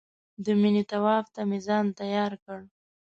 د مینې طواف ته مې ځان تیار کړ.